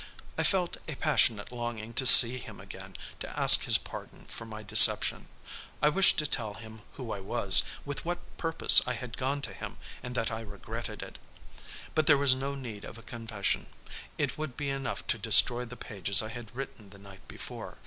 I felt a passionate longing to see him again, to ask his pardon for my deception. I wished to tell him who I was, with what purpose I had gone to him and that I regretted it. But there was no need of a confession. It would be enough to destroy the pages I had written the night before.